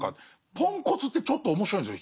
ポンコツってちょっと面白いんですよ